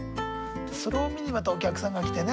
それを見にまたお客さんが来てね